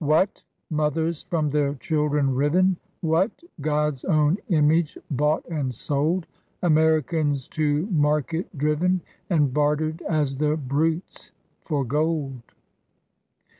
What ! mothers from their children riven ? "What ! God's own image bought and sold r . Americans to market driven, And bartered, as the brutes, for gold?"